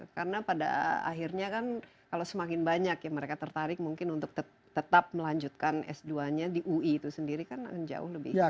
karena pada akhirnya kan kalau semakin banyak yang mereka tertarik mungkin untuk tetap melanjutkan s dua nya di ui itu sendiri kan jauh lebih bagus